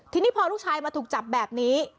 ทีนี้พอลูกชายมาถูกจับแบบนี้